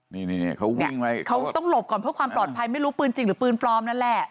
นี่เขาวิ่งไว้เขาต้องหลบก่อนเพื่อความปลอดภัยไม่รู้ปืนจริงหรือปืนปลอมนั่นแหละ